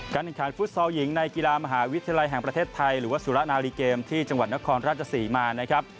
แข่งขันฟุตซอลหญิงในกีฬามหาวิทยาลัยแห่งประเทศไทยหรือว่าสุระนารีเกมที่จังหวัดนครราชศรีมานะครับ